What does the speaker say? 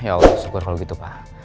ya allah syukur kalau gitu pak